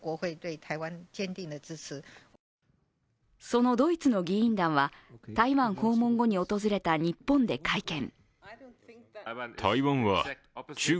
そのドイツの議員団は台湾訪問後に訪れた日本で会見。